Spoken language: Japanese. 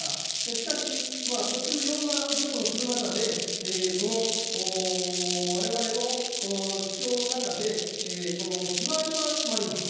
しかし、途中、いろんな議論をする中で、このわれわれの主張の中で、この日割りは決まりました。